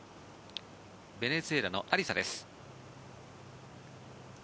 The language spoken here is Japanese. ベネズエラのアリサです。